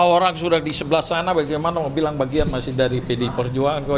orang sudah di sebelah sana bagaimana mau bilang bagian masih dari pdi perjuangan